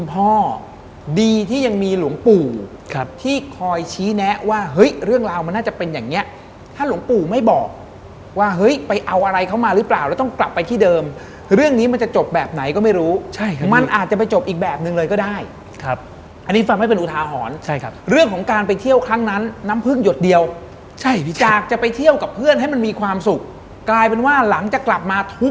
พอคุณพ่อได้เดินจากไปรับสายตาไฟฉายไปครับ